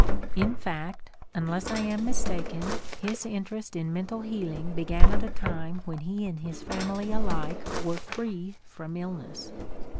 In fact, unless I am mistaken, his interest in mental healing began at a time when he and his family alike were free from illness.